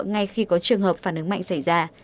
ngay khi có trường hợp phản ứng mạnh xảy ra